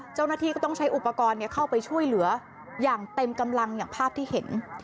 เจ้าหน้าที่ก็ต้องใช้อุปกรณ์เข้าไปช่วยเหลืออย่างเต็มกำลังอย่างภาพที่เห็น